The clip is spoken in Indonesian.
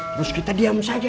terus kita diam saja